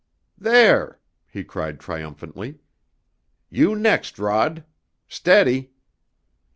"There!" he cried triumphantly. "You next, Rod! Steady!"